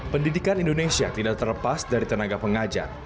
pendidikan indonesia tidak terlepas dari tenaga pengajar